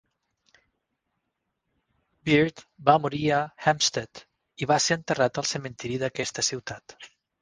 Beard va morir a Hampstead i va ser enterrat al cementiri d'aquesta ciutat.